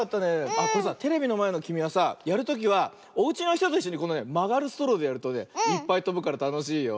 あっこれさテレビのまえのきみはさやるときはおうちのひとといっしょにこのねまがるストローでやるとねいっぱいとぶからたのしいよ。